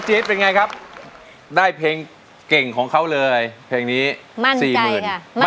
ตัวช่วยละครับเหลือใช้ได้อีกสองแผ่นป้ายในเพลงนี้จะหยุดทำไมสู้อยู่แล้วนะครับ